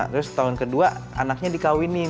terus tahun kedua anaknya dikawinin